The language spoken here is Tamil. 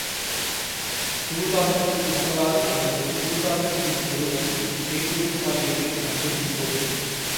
சூதாட்டத்தின் வரலாறு அல்லது சூதாட்டத்தின் கொடுமை நீ கேட்டிருப்பாய் என்றே நம்புகின்றோம்.